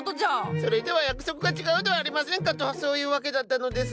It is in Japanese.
それでは約束が違うではありませんかとそういうわけだったのです。